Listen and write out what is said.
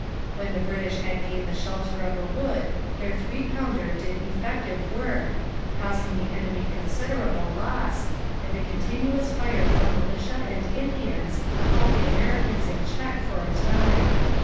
When the British had gained the shelter of a wood their three pounder did effective work, causing the enemy considerable loss, and a continuous fire from militia and Indians held the Americans in check for a time.